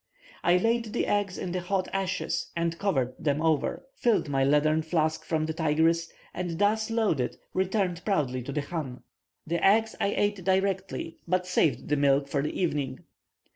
I laid the eggs in the hot ashes and covered them over, filled my leathern flask from the Tigris, and thus loaded returned proudly to the chan. The eggs I ate directly, but saved the milk for the evening.